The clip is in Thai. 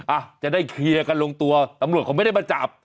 อ่ะจะได้เคลียร์กันลงตัวตำรวจเขาไม่ได้มาจับ